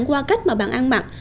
qua cách mà bạn ăn mặc